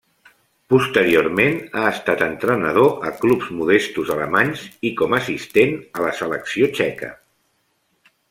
Posteriorment ha estat entrenador a clubs modestos alemanys i com assistent a la selecció txeca.